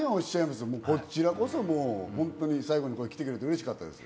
こちらこそ最後に来てくれてうれしかったです。